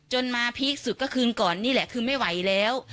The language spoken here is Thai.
มาพีคสุดก็คืนก่อนนี่แหละคือไม่ไหวแล้ว